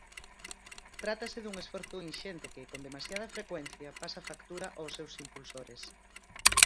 Trátase dun esforzo inxente que, con demasiada frecuencia, pasa factura aos seus impulsores.